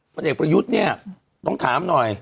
ผลเอกประยุทธ์เนี่ยต้องถามหน่อย